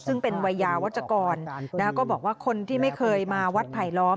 ซึ่งเป็นวัยยาวัชกรก็บอกว่าคนที่ไม่เคยมาวัดไผลล้อม